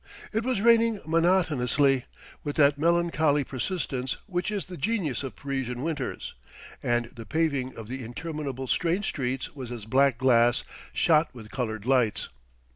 It was raining monotonously, with that melancholy persistence which is the genius of Parisian winters; and the paving of the interminable strange streets was as black glass shot with coloured lights.